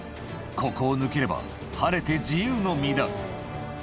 ここを抜ければ晴れて自由の身だ